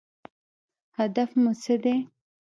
هدف مو څه دی؟